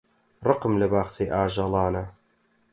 ڕقم لە باخچەی ئاژەڵانە.